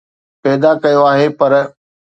پيدا ڪيو آهي پر